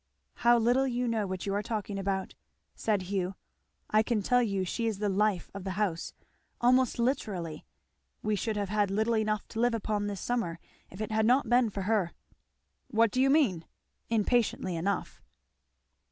"How little you know what you are talking about!" said Hugh. "I can tell you she is the life of the house, almost literally; we should have had little enough to live upon this summer if it had not been for her." "What do you mean?" impatiently enough.